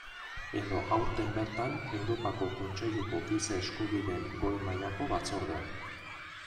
Edo aurten bertan Europako Kontseiluko Giza Eskubideen Goi mailako Batzordea.